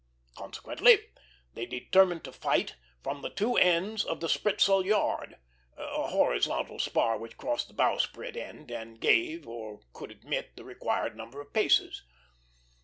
Consequently, they determined to fight from the two ends of the spritsail yard, a horizontal spar which crossed the bowsprit end, and gave, or could admit, the required number of paces.